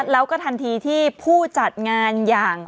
แล้วก็ทันทีที่ผู้จัดงานอย่าง